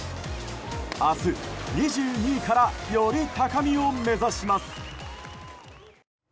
明日、２２位からより高みを目指します。